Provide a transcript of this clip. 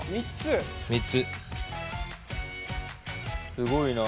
すごいな。